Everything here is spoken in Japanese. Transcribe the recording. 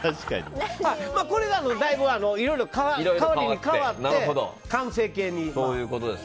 だいぶいろいろ変わりに変わって完成形に今。